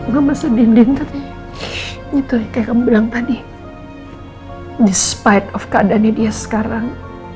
mama sedih sedih itu kayak bilang tadi hai despite of keadaannya dia sekarang